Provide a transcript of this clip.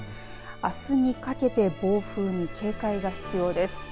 あすにかけて暴風に警戒が必要です。